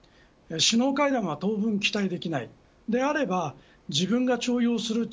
首脳会談は当分期待できないであれば自分が重用する崔善